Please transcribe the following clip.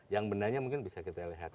yang bendanya mungkin bisa kita lihat